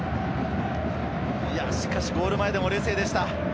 ゴール前でも冷静でした。